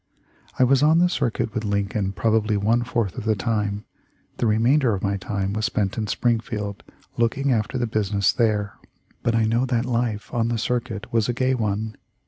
I was on the circuit with Lin coln probably one fourth of the time. The remain der of my time was spent in Springfield looking after the business there, but I know that life on the circuit was a gay one.